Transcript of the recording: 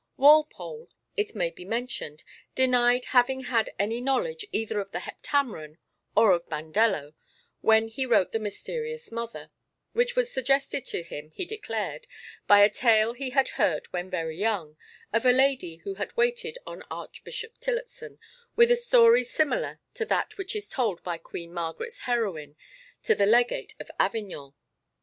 Walpole, it may be mentioned, denied having had any knowledge either of the Heptameron or of Bandello when he wrote The Mysterious Mother, which was suggested to him, he declared, by a tale he had heard when very young, of a lady who had waited on Archbishop Tillotson with a story similar to that which is told by Queen Margaret's heroine to the Legate of Avignon.